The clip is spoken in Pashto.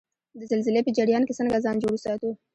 د زلزلې په جریان کې څنګه ځان جوړ وساتو؟